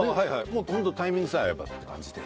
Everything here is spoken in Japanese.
もうどんどんタイミングさえ合えばって感じで。